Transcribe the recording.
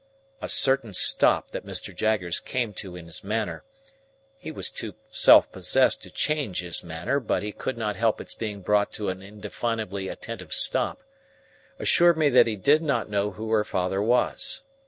A certain stop that Mr. Jaggers came to in his manner—he was too self possessed to change his manner, but he could not help its being brought to an indefinably attentive stop—assured me that he did not know who her father was.